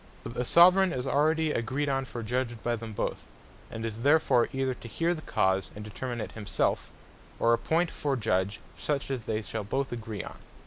But the Soveraign is already agreed on for Judge by them both, and is therefore either to heare the Cause, and determine it himself, or appoint for Judge such as they shall both agree on.